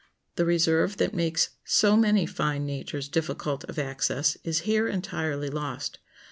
The reserve that makes so many fine natures difficult of access is here entirely lost.